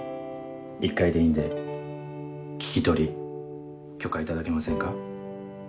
一回でいいんで聞き取り許可頂けませんか？